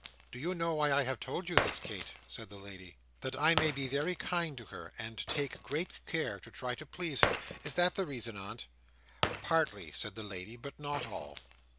"Do you know why I have told you this, Kate?" said the lady. "That I may be very kind to her, and take great care to try to please her. Is that the reason, aunt?" "Partly," said the lady, "but not all.